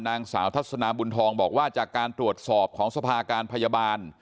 นางสาวทัศนาบุญทองบอกว่าจากการตรวจสอบของสภาการพยาบาล